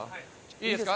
いいですか？